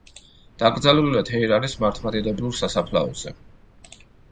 დაკრძალულია თეირანის მართლმადიდებლურ სასაფლაოზე.